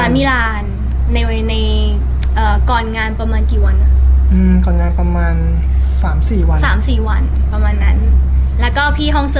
สังเงินว่าเราก็รู้ตั้งแต่๓๔วันคือว่าไม่เสร็จแน่